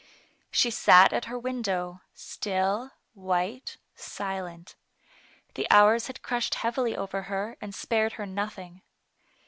She sat at her window, still, white, silent. The hours had crushed heavily over her, and spared her nothing.